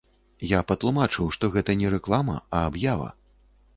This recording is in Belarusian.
Я патлумачыў, што гэта не рэклама, а аб'ява.